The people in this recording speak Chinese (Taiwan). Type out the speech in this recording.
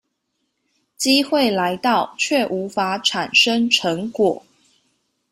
機會來到卻無法產生成果